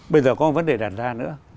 bây giờ có một vấn đề đàn ra nữa